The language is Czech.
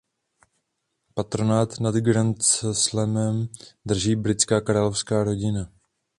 Patronát nad grandslamem drží britská královská rodina.